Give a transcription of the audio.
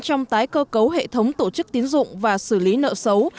trong tái cơ cấu hệ thống tổ chức tín dụng và xử lý nợ xấu